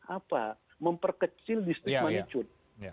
apa memperkecil distrik manicur